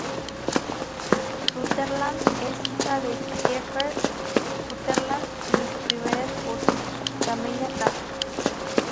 Sutherland es hija de Kiefer Sutherland y su primera esposa, Camelia Kath.